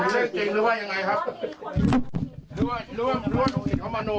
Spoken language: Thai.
มันเป็นเรื่องเรื่องจริงหรือว่ามันเป็นเรื่องจริงหรือว่ายังไงครับ